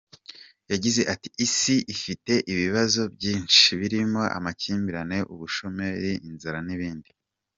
Yagize ati “Isi ifite ibibazo byinshi birimo amakimbirane, ubushomeri, inzara n’ibindi.